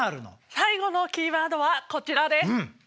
最後のキーワードはこちらです。